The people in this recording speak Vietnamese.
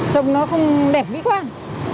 trông nó không đẹp mỹ khoan